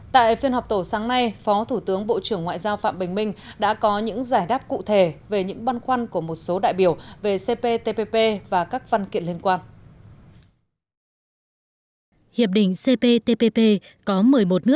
tại phiên họp tổ sáng nay phó thủ tướng bộ trưởng ngoại giao phạm bình minh đã có những giải đáp cụ thể về những băn khoăn của một số đại biểu về cptpp và các văn kiện liên quan